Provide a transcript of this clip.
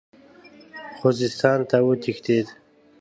خوزستان ته وتښتېد.